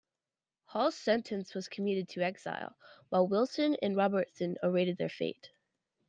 Hall's sentence was commuted to exile, while Wilson and Robertson awaited their fate.